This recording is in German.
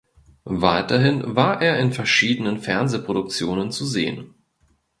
Weiterhin war er in verschiedenen Fernsehproduktionen zu sehen.